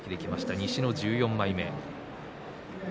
西の１４枚目。